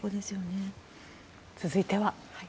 続いては。